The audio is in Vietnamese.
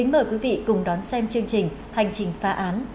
mời quý vị cùng đón xem chương trình hành trình phá án